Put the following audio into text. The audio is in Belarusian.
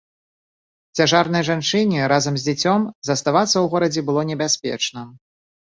Цяжарнай жанчыне разам з дзіцём заставацца ў горадзе было небяспечна.